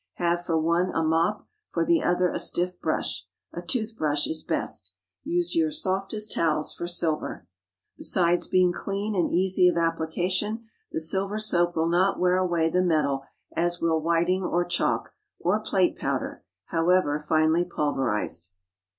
Have for one a mop, for the other a stiff brush—a toothbrush is best. Use your softest towels for silver. Besides being clean and easy of application, the silver soap will not wear away the metal as will whiting or chalk, or plate powder, however finely pulverized.